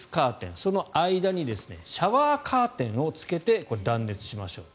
その間にシャワーカーテンをつけて断熱しましょうと。